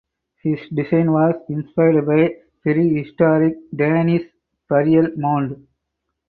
His design was inspired by prehistoric Danish burial mounds.